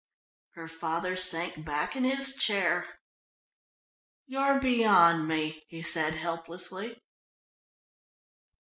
Her father sank back in his chair. "You're beyond me," he said, helplessly.